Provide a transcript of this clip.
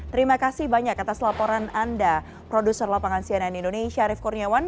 terima kasih banyak atas laporan anda produser lapangan cnn indonesia arief kurniawan